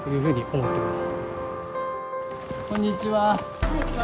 ・はいこんにちは。